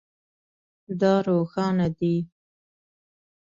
دا روښانه دی